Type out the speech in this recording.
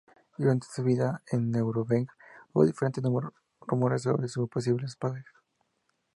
Ya durante su vida en Núremberg hubo diferentes rumores sobre sus posibles padres.